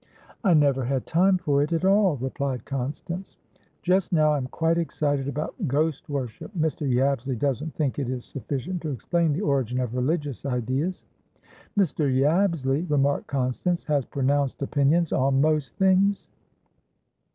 "I never had time for it at all," replied Constance. "Just now I'm quite excited about ghost worship. Mr. Yabsley doesn't think it is sufficient to explain the origin of religious ideas." "Mr. Yabsley," remarked Constance, "has pronounced opinions on most things?"